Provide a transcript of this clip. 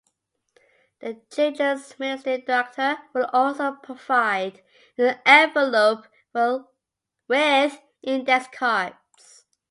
The Children’s Ministry Director will also provide an envelope with index cards